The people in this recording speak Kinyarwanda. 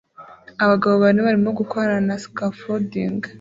Abagabo bane barimo gukorana na scafolding